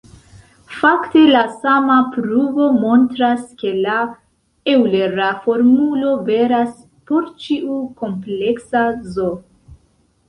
Fakte, la sama pruvo montras ke la eŭlera formulo veras por ĉiu kompleksa "z".